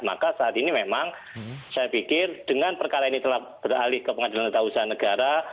maka saat ini memang saya pikir dengan perkara ini telah beralih ke pengadilan tata usaha negara